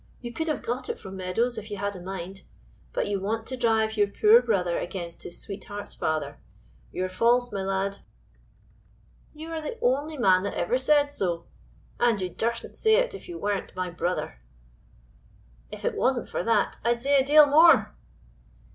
"You could have got it from Meadows, if you had a mind; but you want to drive your poor brother against his sweetheart's father; you are false, my lad." "You are the only man that ever said so; and you durstn't say it if you weren't my brother." "If it wasn't for that, I'd say a deal more."